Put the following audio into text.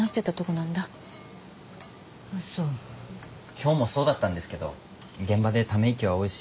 今日もそうだったんですけど現場でため息は多いし